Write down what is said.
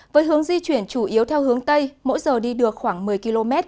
với hướng di chuyển chủ yếu theo hướng tây mỗi giờ đi được khoảng một mươi km